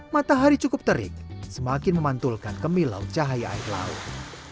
matahari cukup terik semakin memantulkan kemilau cahaya air laut